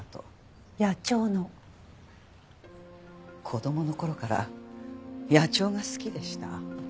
子供の頃から野鳥が好きでした。